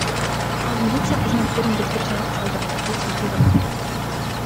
Ал милиция кызматкерин бетке чаап салды, — дейт Шакирова.